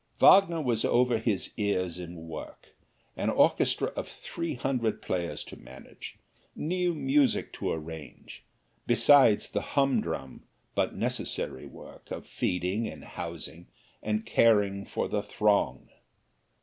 Wagner was over his ears in work an orchestra of three hundred players to manage, new music to arrange, besides the humdrum, but necessary, work of feeding and housing and caring for the throng.